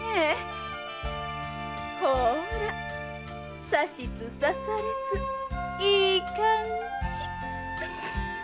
ほらさしつさされついい感じ！